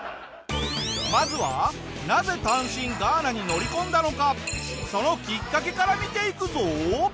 まずはなぜ単身ガーナに乗り込んだのかそのきっかけから見ていくぞ。